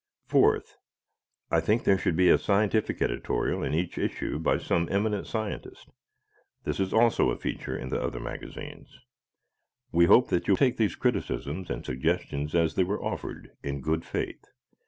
Fourth, I think there should be a scientific editorial in each issue by some eminent scientist. This is also a feature in the other magazines. We hope that you take these criticisms and suggestions, as they were offered, in good faith.